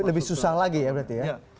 lebih susah lagi ya berarti ya